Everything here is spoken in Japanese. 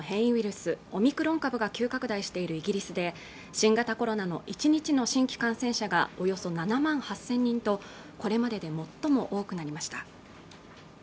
スオミクロン株が急拡大しているイギリスで新型コロナの１日の新規感染者がおよそ７万８０００人とこれまでで最も多くなりました